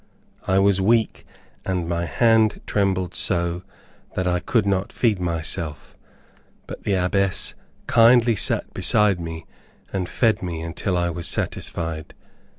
I was weak, and my hand trembled so that I could not feed myself; but the Abbess kindly sat beside me and fed me until I was satisfied.